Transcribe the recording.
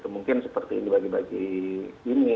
mungkin seperti ini bagi bagi ini